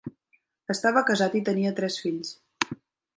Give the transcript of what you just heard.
Estava casat i tenia tres fills.